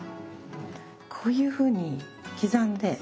こういうふうに刻んで。